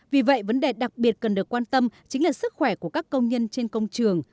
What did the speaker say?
vì vậy vấn đề đặc biệt cần được quan tâm chính là sức khỏe của các công nhân trên công trường